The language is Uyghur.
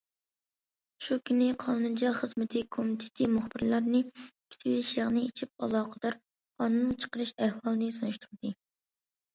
شۇ كۈنى، قانۇنچىلىق خىزمىتى كومىتېتى مۇخبىرلارنى كۈتۈۋېلىش يىغىنى ئېچىپ، ئالاقىدار قانۇن چىقىرىش ئەھۋالىنى تونۇشتۇردى.